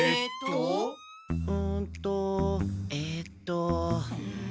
うんとえっと。